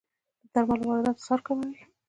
د درملو واردات اسعار کموي.